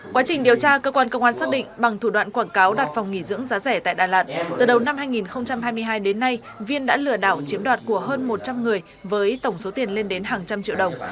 quá trình điều tra cơ quan công an xác định bằng thủ đoạn quảng cáo đặt phòng nghỉ dưỡng giá rẻ tại đà lạt từ đầu năm hai nghìn hai mươi hai đến nay viên đã lừa đảo chiếm đoạt của hơn một trăm linh người với tổng số tiền lên đến hàng trăm triệu đồng